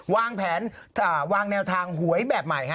วางแผนวางแนวทางหวยแบบใหม่